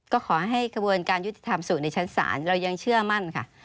ก็ขอให้กระบวนการยุติธรรมสู่ในชั้นศาลเรายังเชื่อมั่นค่ะ